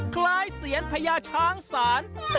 คล้ายเสียนพญาช้างศาล